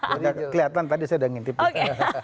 jadi kelihatan tadi saya udah ngintipin